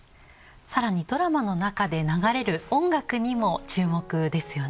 更にドラマのなかで流れる音楽にも注目ですよね。